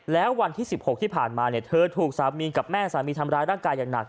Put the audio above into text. แล้ววันที่๑๖ที่ผ่านมาเธอถูกสามีกับแม่สามีทำร้ายร่างกายอย่างหนัก